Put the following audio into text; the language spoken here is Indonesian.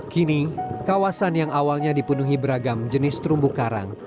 kini kawasan yang awalnya dipenuhi beragam jenis terumbu karang